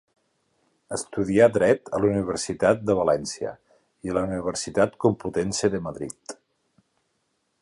Estudià dret a la Universitat de València i a la Universitat Complutense de Madrid.